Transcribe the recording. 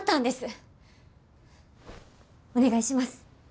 お願いします。